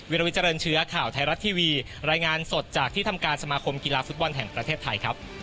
ลวิเจริญเชื้อข่าวไทยรัฐทีวีรายงานสดจากที่ทำการสมาคมกีฬาฟุตบอลแห่งประเทศไทยครับ